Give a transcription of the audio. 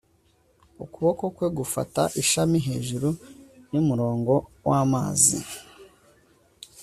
ukuboko kwe gufata ishami hejuru yumurongo wamazi